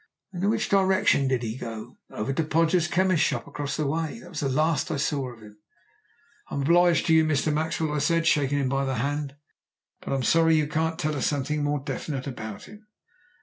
"And in which direction did he go?" "Over to Podgers' chemist shop across the way. That was the last I saw of him." "I'm obliged to you, Mr. Maxwell," I said, shaking him by the hand. "But I'm sorry you can't tell us something more definite about him."